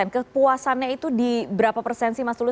kepuasannya itu di berapa persen sih mas tulus